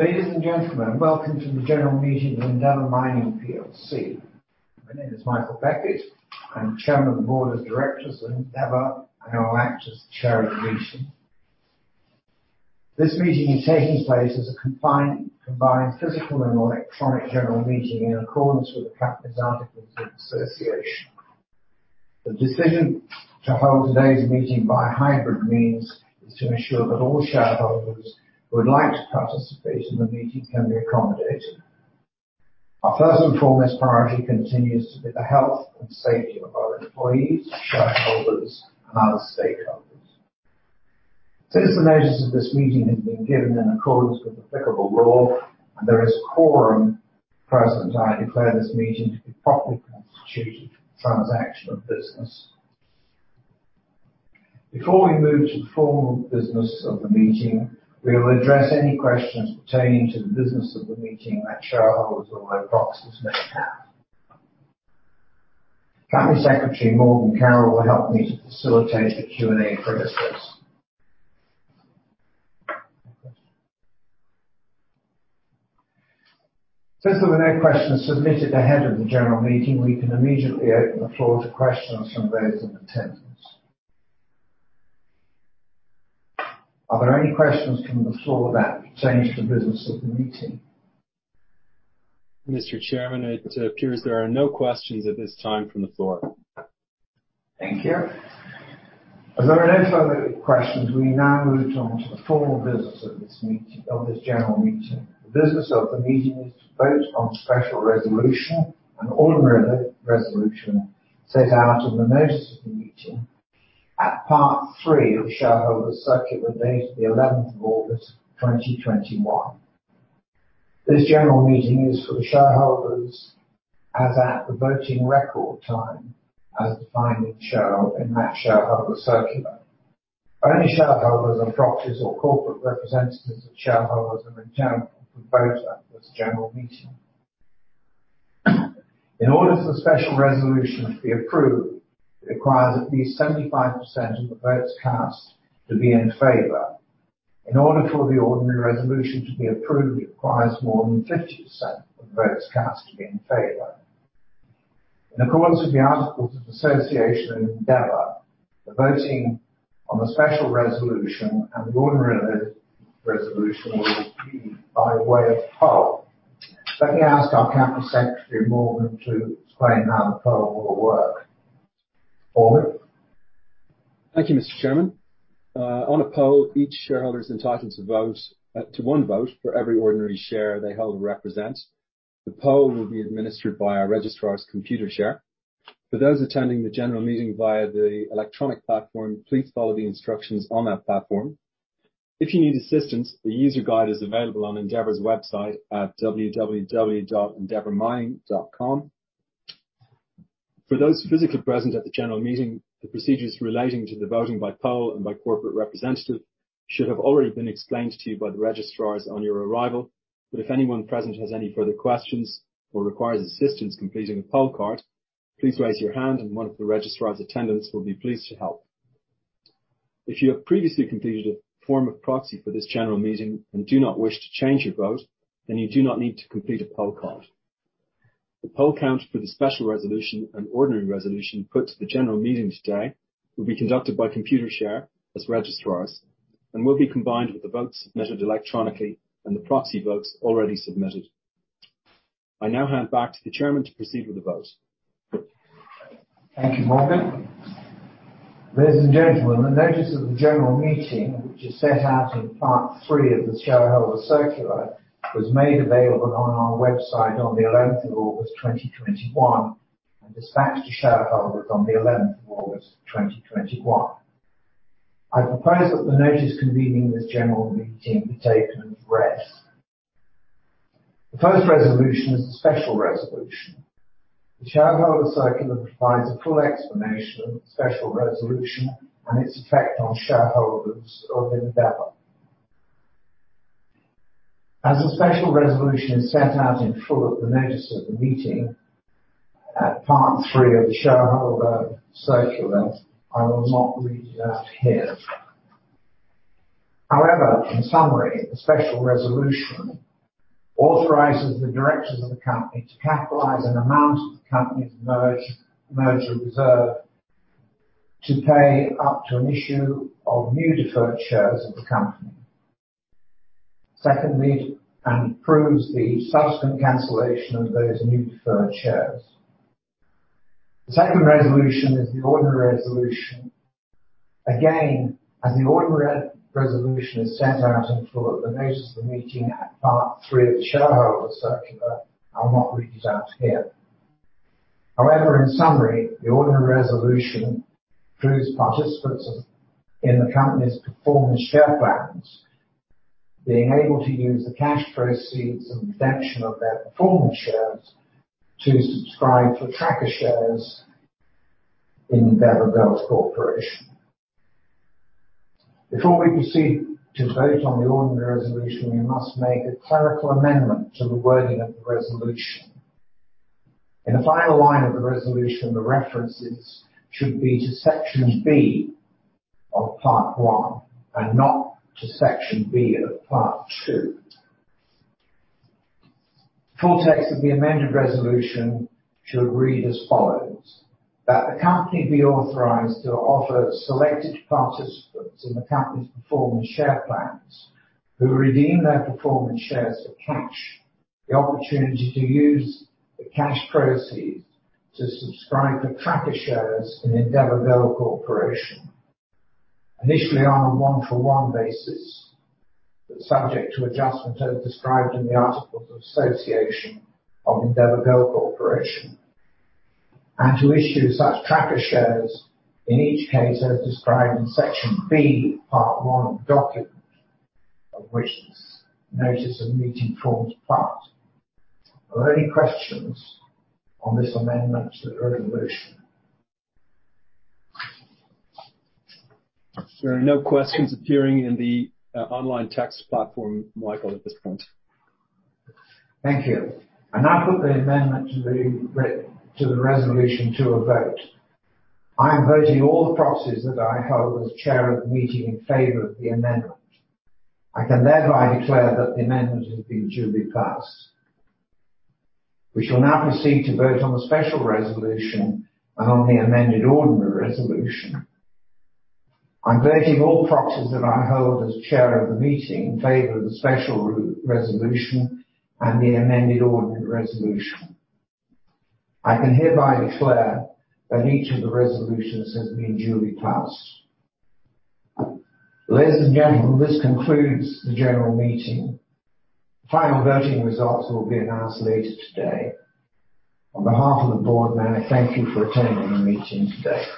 Ladies and gentlemen, welcome to the general meeting of Endeavour Mining plc. My name is Michael Beckett. I'm Chairman of the Board of Directors of Endeavour, and I will act as the chair of the meeting. This meeting is taking place as a combined physical and electronic general meeting in accordance with the company's articles of association. The decision to hold today's meeting by hybrid means is to ensure that all shareholders who would like to participate in the meeting can be accommodated. Our first and foremost priority continues to be the health and safety of our employees, shareholders, and other stakeholders. Since the measures of this meeting have been given in accordance with applicable law, and there is a quorum present, I declare this meeting to be properly constituted for the transaction of business. Before we move to the formal business of the meeting, we will address any questions pertaining to the business of the meeting that shareholders or their proxies may have. Company Secretary Morgan Carroll will help me to facilitate the Q&A process. Since there were no questions submitted ahead of the general meeting, we can immediately open the floor to questions from those in attendance. Are there any questions from the floor that pertains to the business of the meeting? Mr. Chairman, it appears there are no questions at this time from the floor. Thank you. As there are no further questions, we now move on to the formal business of this general meeting. The business of the meeting is to vote on special resolution and ordinary resolution set out in the notice of the meeting at part three of shareholder circular dated the 11th of August 2021. This general meeting is for the shareholders as at the voting record time as defined in that shareholder circular. Only shareholders and proxies or corporate representatives of shareholders are entitled to vote at this general meeting. In order for the special resolution to be approved, it requires at least 75% of the votes cast to be in favor. In order for the ordinary resolution to be approved, it requires more than 50% of the votes cast to be in favor. In accordance with the articles of association of Endeavour, the voting on the special resolution and the ordinary resolution will be by way of poll. Let me ask our company secretary, Morgan, to explain how the poll will work. Morgan? Thank you, Mr. Chairman. On a poll, each shareholder is entitled to one vote for every ordinary share they hold or represent. The poll will be administered by our registrar's Computershare. For those attending the general meeting via the electronic platform, please follow the instructions on that platform. If you need assistance, the user guide is available on Endeavour's website at www.endeavourmining.com. For those physically present at the general meeting, the procedures relating to the voting by poll and by corporate representative should have already been explained to you by the registrars on your arrival. If anyone present has any further questions or requires assistance completing a poll card, please raise your hand and one of the registrar's attendants will be pleased to help. If you have previously completed a form of proxy for this general meeting and do not wish to change your vote, you do not need to complete a poll card. The poll count for the special resolution and ordinary resolution put to the general meeting today will be conducted by Computershare as registrars and will be combined with the votes measured electronically and the proxy votes already submitted. I now hand back to the Chairman to proceed with the vote. Thank you, Morgan. Ladies and gentlemen, the notice of the general meeting, which is set out in part 3 of the shareholder circular, was made available on our website on the 11th of August 2021 and dispatched to shareholders on the 11th of August 2021. I propose that the notice convening this general meeting be taken as read. The first resolution is the special resolution. The shareholder circular provides a full explanation of the special resolution and its effect on shareholders of Endeavour. The special resolution is set out in full at the notice of the meeting at part 3 of the shareholder circular, I will not read it out here. In summary, the special resolution authorizes the directors of the company to capitalize an amount of the company's merger reserve to pay up to an issue of new deferred shares of the company. Secondly, approves the subsequent cancellation of those new deferred shares. The second resolution is the ordinary resolution. As the ordinary resolution is set out in full at the notice of the meeting at Part 3 of the shareholder circular, I'll not read it out here. In summary, the ordinary resolution approves participants in the company's performance share plans being able to use the cash proceeds and redemption of their performance shares to subscribe for tracker shares in Endeavour Gold Corporation. Before we proceed to vote on the ordinary resolution, we must make a clerical amendment to the wording of the resolution. In the final line of the resolution, the references should be to Section B of Part 1 and not to Section B of Part 2. The full text of the amended resolution should read as follows, "That the company be authorized to offer selected participants in the company's performance share plans who redeem their performance shares for cash, the opportunity to use the cash proceeds to subscribe to tracker shares in Endeavour Gold Corporation, initially on a 1-for-1 basis, but subject to adjustment as described in the articles of association of Endeavour Gold Corporation, and to issue such tracker shares in each case as described in Section B, Part 1 of the document of which this notice of meeting forms part." Are there any questions on this amendment to the resolution? There are no questions appearing in the online text platform, Michael, at this point. Thank you. I now put the amendment to the resolution to a vote. I am voting all the proxies that I hold as Chair of the meeting in favor of the amendment. I can thereby declare that the amendment has been duly passed. We shall now proceed to vote on the special resolution and on the amended ordinary resolution. I'm voting all proxies that I hold as Chair of the meeting in favor of the special resolution and the amended ordinary resolution. I can hereby declare that each of the resolutions has been duly passed. Ladies and gentlemen, this concludes the general meeting. The final voting results will be announced later today. On behalf of the Board, may I thank you for attending the meeting today.